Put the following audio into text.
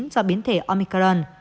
do biến thể omicron